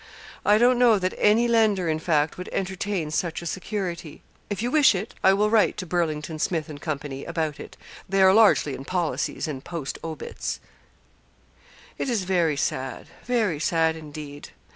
'I don't know that any lender, in fact, would entertain such a security. If you wish it I will write to Burlington, Smith, and Company, about it they are largely in policies and post obits.' 'It is very sad very sad, indeed.